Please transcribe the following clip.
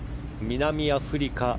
南アフリカ